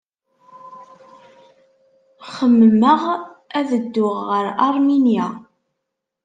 Xemmemeɣ ad dduɣ ɣer Aṛminya.